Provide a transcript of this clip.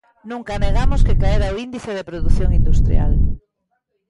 Nunca negamos que caera o índice de produción industrial.